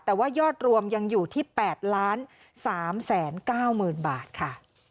แต่ว่ายอดรวมยังอยู่ที่๘๓๙๐๐๐บาทค่ะ